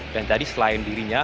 dan tadi selain dirinya